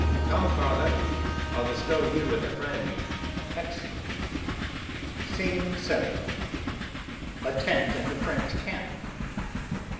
Come, father, I'll bestow you with a friend. Exeunt. Scene VII. A tent in the French camp.